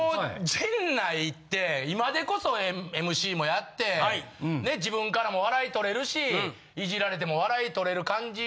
陣内って今でこそＭＣもやって自分からも笑いとれるしいじられても笑いとれる感じ